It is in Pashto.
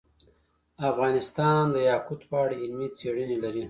افغانستان د یاقوت په اړه علمي څېړنې لري.